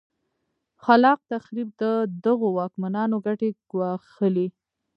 خلا ق تخریب د دغو واکمنانو ګټې ګواښلې.